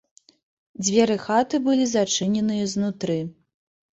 Дзверы хаты былі зачыненыя знутры.